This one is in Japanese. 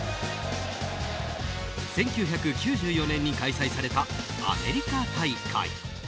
１９９４年に開催されたアメリカ大会。